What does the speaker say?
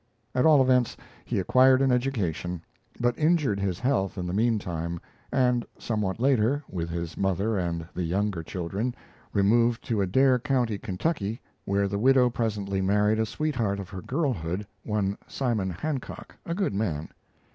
At all events, he acquired an education, but injured his health in the mean time, and somewhat later, with his mother and the younger children, removed to Adair County, Kentucky, where the widow presently married a sweetheart of her girlhood, one Simon Hancock, a good man.